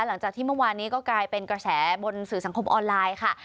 หลังจากที่เมื่อวานนี้ก็กลายเป็นกระแสบนสื่อสังคมออนไลน์ค่ะ